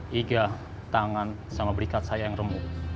tiga tangan sama berikat saya yang remuk